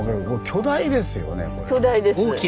巨大です。